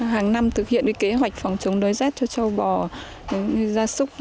hàng năm thực hiện kế hoạch phòng chống đói rét cho châu bò gia súc